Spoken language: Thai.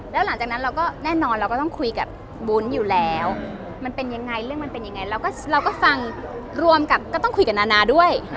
แล้วหลังจากนั้นเราก็แน่นอนเราก็ต้องคุยกับวุ้นอยู่แล้วมันเป็นยังไงเรื่องมันเป็นยังไงเราก็ฟังรวมกับก็ต้องคุยกับนานาด้วย